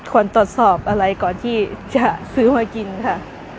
ควรตรวจสอบอะไรก่อนที่จะซื้อมากินค่ะ